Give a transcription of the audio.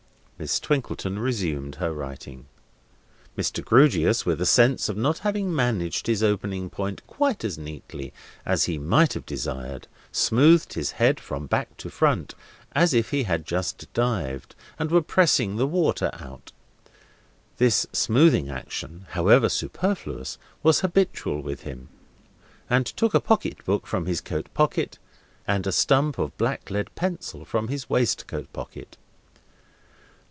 Miss Twinkleton resumed her writing. Mr. Grewgious, with a sense of not having managed his opening point quite as neatly as he might have desired, smoothed his head from back to front as if he had just dived, and were pressing the water out—this smoothing action, however superfluous, was habitual with him—and took a pocket book from his coat pocket, and a stump of black lead pencil from his waistcoat pocket.